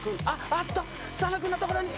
あっと佐野君のところに。